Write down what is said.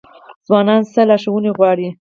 ځوان څه لارښوونه غواړي؟